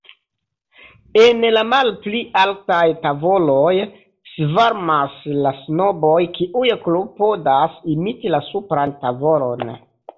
En la malpli altaj tavoloj svarmas la snoboj, kiuj klopodas imiti la supran tavolon.